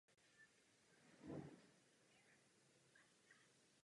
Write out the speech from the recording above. Seznam zemí, které jsou součástí Evropské politiky sousedství, je dlouhý.